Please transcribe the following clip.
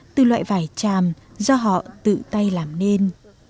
từ loại vải tràm do họ tự tay làm nên